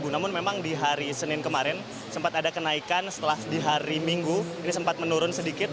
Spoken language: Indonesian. namun memang di hari senin kemarin sempat ada kenaikan setelah di hari minggu ini sempat menurun sedikit